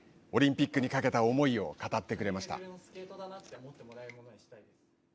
オリンピックにかけた思いを語ってくれました。